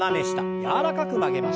柔らかく曲げましょう。